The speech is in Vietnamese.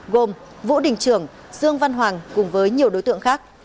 gồm vũ đình trưởng dương văn hoàng cùng với nhiều đối tượng khác